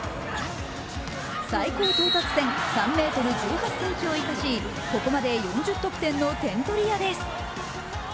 最高到達点３ｍ１８ｃｍを生かし、ここまで４０得点の点取り屋です。